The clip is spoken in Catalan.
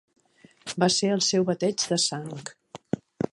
Va ser el seu bateig de sang.